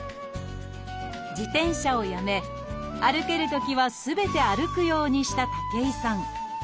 自転車をやめ歩けるときはすべて歩くようにした武井さん。